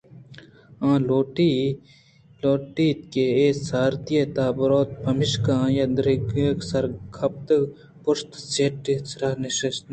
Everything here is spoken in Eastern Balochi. آئی ءَلوٹ اِت کہ اے سارتی ءِ تہا بروت پمشکا آ درایگ ءَ سر کپت ءُپشت ءِ سیٹ ءِ سرا نشت